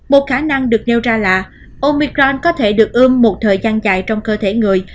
một khả năng được nêu ra là omicron có thể được ươm một thời gian dài trong cơ thể người